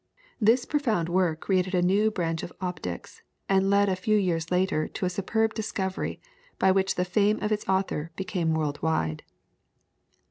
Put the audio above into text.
This profound work created a new branch of optics, and led a few years later to a superb discovery, by which the fame of its author became world wide.